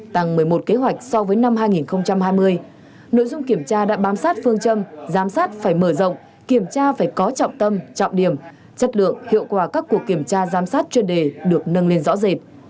tăng một mươi một kế hoạch so với năm hai nghìn hai mươi nội dung kiểm tra đã bám sát phương châm giám sát phải mở rộng kiểm tra phải có trọng tâm trọng điểm chất lượng hiệu quả các cuộc kiểm tra giám sát chuyên đề được nâng lên rõ rệt